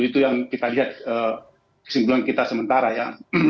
itu yang kita lihat kesimpulan kita sementara ya